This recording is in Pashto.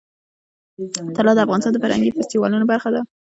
طلا د افغانستان د فرهنګي فستیوالونو برخه ده.